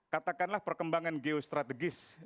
katakanlah perkembangan geostrategis